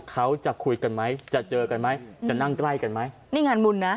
เขาจะคุยกันไหมจะเจอกันไหมจะนั่งใกล้กันไหมนี่งานบุญนะ